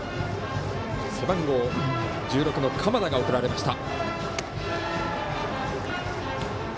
背番号１６の鎌田が送られました。